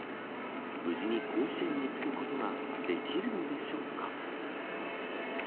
無事に甲子園に着くことができるのでしょうか。